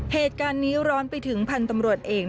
เหตุการณ์นี้ร้อนไปถึงพันธุ์ตำรวจเอก